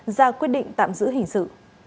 ra quyết định tạm giữ hình sự